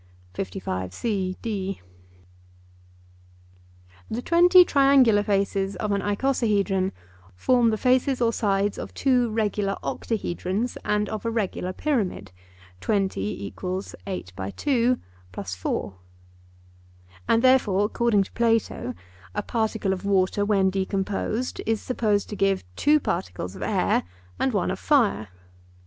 The twenty triangular faces of an icosahedron form the faces or sides of two regular octahedrons and of a regular pyramid (20 = 8 x 2 + 4); and therefore, according to Plato, a particle of water when decomposed is supposed to give two particles of air and one of fire.